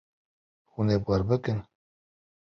Hûn ê bar bikin.